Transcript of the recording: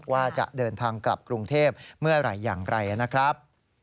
ว่าจะเดินทางกลับกรุงเทพเมื่อไหร่อย่างไรนะครับ